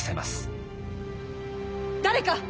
誰か！